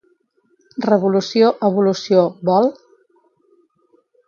Revolució-Evolució-Vol?...